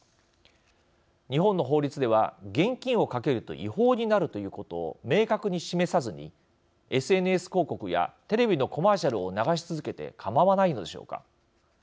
日本の法律では現金をかけると違法になるということを明確に示さずにＳＮＳ広告やテレビのコマーシャルを流し続けてかまわないのでしょうか。